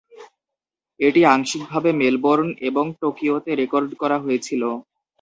এটি আংশিকভাবে মেলবোর্ন এবং টোকিওতে রেকর্ড করা হয়েছিল।